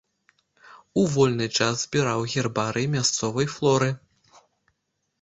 У вольны час збіраў гербарый мясцовай флоры.